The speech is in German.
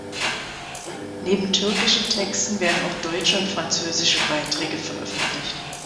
Neben türkischen Texten werden auch deutsche und französische Beiträge veröffentlicht.